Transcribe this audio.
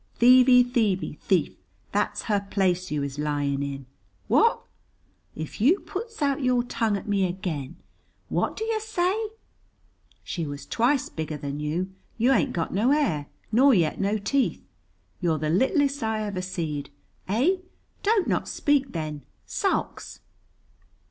"Thievey, thievey, thief, that's her place you is lying in. What? "If you puts out your tongue at me again ! What do yer say? "She was twice bigger than you. You ain't got no hair, nor yet no teeth. You're the littlest I ever seed. Eh? Don't not speak then, sulks!"